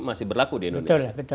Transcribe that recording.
masih berlaku di indonesia